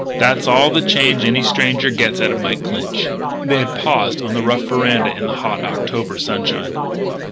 That's all the change any stranger gets out of Mike Clinch." They had paused on the rough veranda in the hot October sunshine.